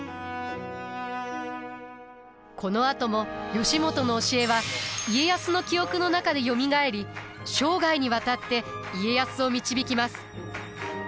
このあとも義元の教えは家康の記憶の中でよみがえり生涯にわたって家康を導きます。